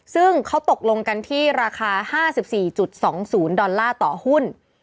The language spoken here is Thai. ซึ่งเขาตกลงกันที่ราคา๕๔๒๐ดอลลาร์ต่อหุ้น